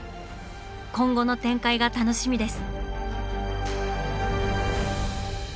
今後の展開が楽しみです。